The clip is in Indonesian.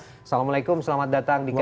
assalamualaikum selamat datang dika